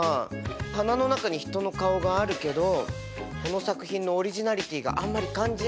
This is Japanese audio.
花の中に人の顔があるけどこの作品のオリジナリティーがあんまり感じられないんですよ。